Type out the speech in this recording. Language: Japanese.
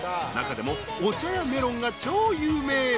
［中でもお茶やメロンが超有名］